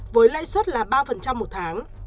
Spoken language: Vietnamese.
với lãi suất là ba một tháng